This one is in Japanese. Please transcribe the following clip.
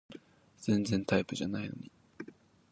全然タイプじゃないのに